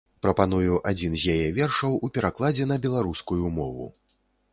Прапаную адзін з яе вершаў у перакладзе на беларускую мову.